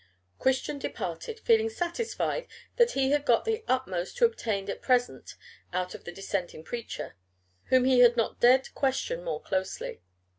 Christian departed, feeling satisfied that he had got the utmost to be obtained at present out of the Dissenting preacher, whom he had not dared to question more closely.